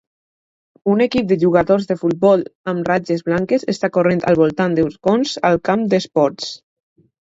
Un equip de jugadors de futbol amb ratlles blanques estan corrent al voltant de cons a un camp d'esports